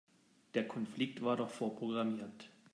Der Konflikt war doch vorprogrammiert.